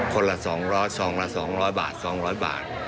คนละ๒๐๐ซองละ๒๐๐บาท๒๐๐บาท